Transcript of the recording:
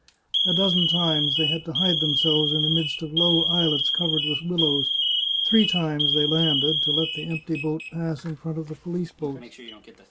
A dozen times they had to hide themselves in the midst of low islets covered with willows ; three times they landed, to let the empty boat pass in front of the police boats.